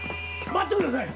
待ってください！